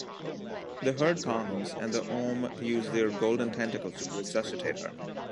The herd calms, and the Ohm use their golden tentacles to resuscitate her.